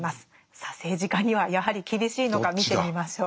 さあ政治家にはやはり厳しいのか見てみましょう。